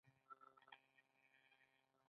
هغه لاسرسی نلري او په خپله محروم دی.